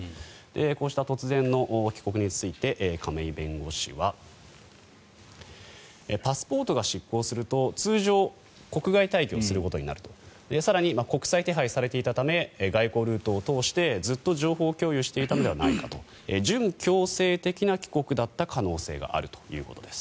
こうした突然の帰国について亀井弁護士はパスポートが失効すると通常、国外退去することになると更に、国際手配されていたため外交ルートを通してずっと情報共有していたのではないかと準強制的な帰国だった可能性があるということです。